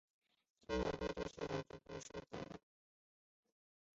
青岛教会的聚会人数锐减。